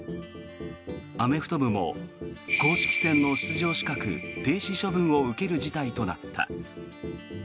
アメフト部も公式戦の出場資格停止処分を受ける事態となった。